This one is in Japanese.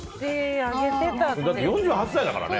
だって４８歳だからね。